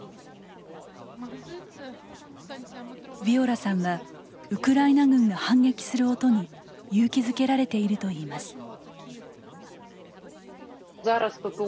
ヴィオラさんはウクライナ軍が反撃する音に勇気づけられているといいます。